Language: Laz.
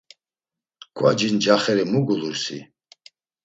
Ǩvaci ncaxeri mu gulur si!